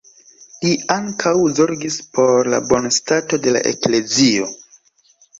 Li ankaŭ zorgis por la bonstato de la eklezio.